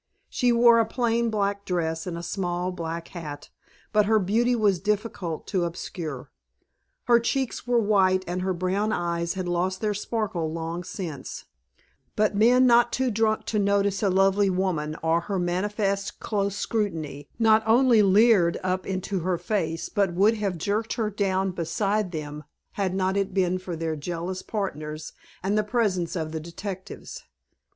She wore a plain black dress and a small black hat, but her beauty was difficult to obscure. Her cheeks were white and her brown eyes had lost their sparkle long since, but men not too drunk to notice a lovely woman or her manifest close scrutiny, not only leered up into her face but would have jerked her down beside them had it not been for their jealous partners and the presence of the detectives.